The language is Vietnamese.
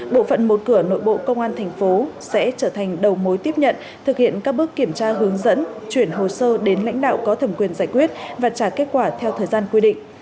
bộ phận một cửa nội bộ công an thành phố sẽ trở thành đầu mối tiếp nhận thực hiện các bước kiểm tra hướng dẫn chuyển hồ sơ đến lãnh đạo có thẩm quyền giải quyết và trả kết quả theo thời gian quy định